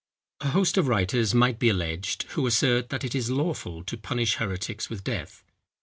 A host of writers might be alleged, who assert that it is lawful to punish heretics with death.